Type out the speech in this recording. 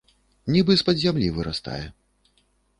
Нібы з-пад зямлі вырастае.